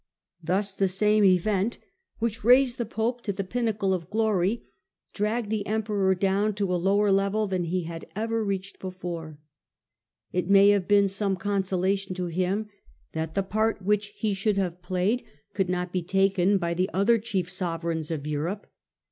Thus the same event which . Digitized by VjOOQIC PONTIPICATB OF UrBAN IL I69 raised the pope to the pinnacle of glory, dragged the emperor down to a lower level than he had ever reached before. It may have been some consolation to him that the part which he should have played could not be taken by the other chief sovereigns of Europe.